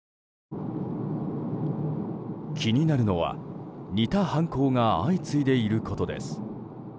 気になるのは、似た犯行が相次いでいることです。